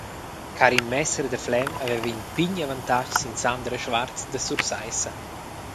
Karin Messer da Flem haveva in pign avantatg sin Sandra Schwarz da Sursaissa.